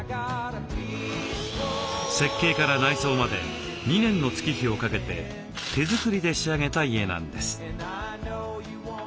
設計から内装まで２年の月日をかけて手作りで仕上げた家なんです。